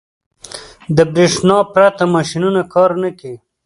• د برېښنا پرته ماشينونه کار نه کوي.